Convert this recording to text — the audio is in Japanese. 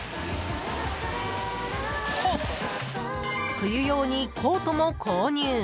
冬用にコートも購入。